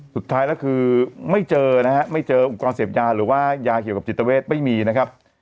สุดท้ายแล้วคือไม่เจอนะฮะไม่เจออุปกรณ์เสพยาหรือว่ายาเกี่ยวกับจิตเวทไม่มีนะครับ